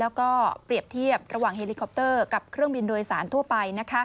แล้วก็เปรียบเทียบระหว่างเฮลิคอปเตอร์กับเครื่องบินโดยสารทั่วไป